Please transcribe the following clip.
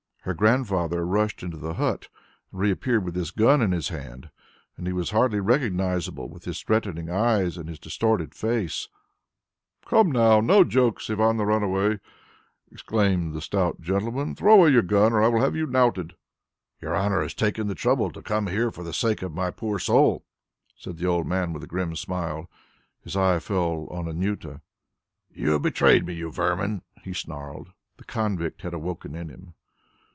Her Grandfather rushed into the hut and re appeared with his gun in his hand. And he was hardly recognizable with his threatening eyes in his distorted face. "Come now! No jokes, Ivan the Runaway," exclaimed the kind stout gentleman. "You know you only make matters worse. Throw away your gun, or I will have you knouted." "Your honour has taken the trouble to come here for the sake of my poor soul," said the old man with a grim smile. His eye fell on Anjuta. "You have betrayed me, you vermin!" he snarled. The convict had awoken in him.